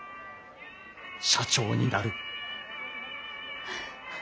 社長になる。